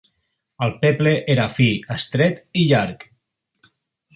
El peple era fi, estret i llarg.